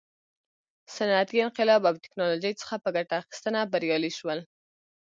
صنعتي انقلاب او ټکنالوژۍ څخه په ګټه اخیستنه بریالي شول.